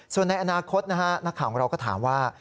ส่วนในอนาคตนะฮะนักข่าวของเราก็ถามว่า